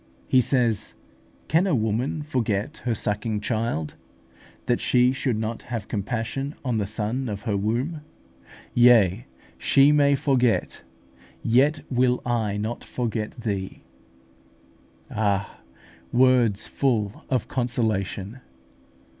He says, "Can a woman forget her sucking child, that she should not have compassion on the son of her womb? Yea, she may forget, yet will I not forget thee" (Isa. xlix. 15). Ah, words full of consolation!